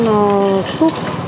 đó là một suốt gà